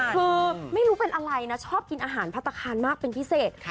คือไม่รู้เป็นอะไรนะชอบกินอาหารพัฒนาคารมากเป็นพิเศษ